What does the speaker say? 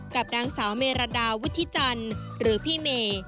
กับนางสาวเมรดาวุฒิจันทร์หรือพี่เมย์